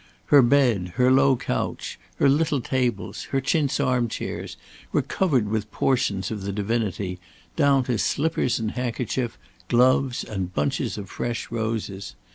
Her bed, her low couch, her little tables, her chintz arm chairs, were covered with portions of the divinity, down to slippers and handkerchief, gloves and bunches of fresh roses.